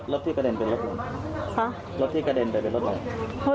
รถที่กระเด็นเป็นรถไหนรถที่กระเด็นเป็นรถไหน